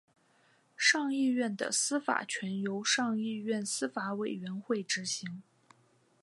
上议院的司法权由上议院司法委员会执行。